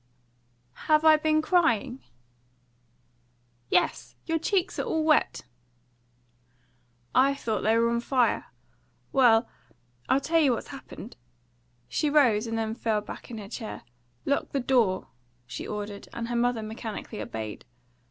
"Have I been crying?" "Yes! Your cheeks are all wet!" "I thought they were on fire. Well, I'll tell you what's happened." She rose, and then fell back in her chair. "Lock the door!" she ordered, and her mother mechanically obeyed.